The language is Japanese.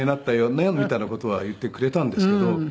みたいな事は言ってくれたんですけど。